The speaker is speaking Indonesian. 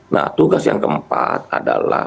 nah tugas yang keempat adalah